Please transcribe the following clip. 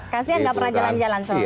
kasian gak pernah jalan jalan soalnya ya